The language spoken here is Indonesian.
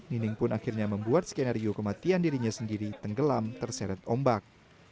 nining pun akhirnya membuat skenario kematian dirinya sendiri tenggelam terseret ombak